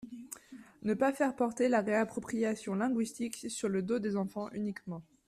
Ne pas faire porter la réappropriation linguistique sur le dos des enfants uniquement.